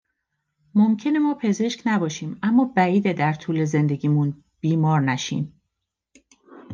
ممکنه ما پزشک نباشیم اما بعیده که در طول زندگیمون بیمار نشیم.